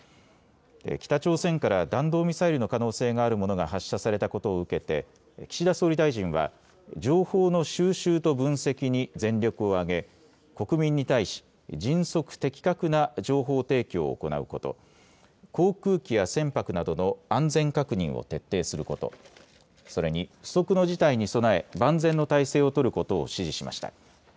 北朝鮮から弾道ミサイルの可能性があるものが発射されたことを受けて岸田総理大臣は情報の収集と分析に全力を挙げ国民に対し迅速・的確な情報提供を行うこと、航空機や船舶などの安全確認を徹底すること、それに不測の事態に備え万全の態勢を取ることを指示しました。